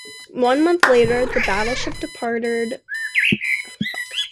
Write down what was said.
One month later, the battleship departed Veracruz for Pensacola.